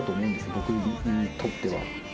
僕にとっては。